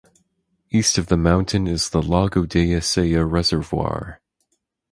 East of the mountain is the Lago della Sella reservoir.